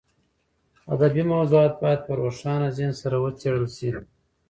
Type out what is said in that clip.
ادبي موضوعات باید په روښانه ذهن سره وڅېړل شي.